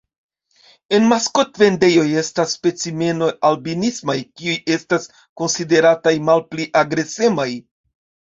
En maskotvendejoj estas specimenoj albinismaj kiuj estas konsiderataj malpli agresemaj.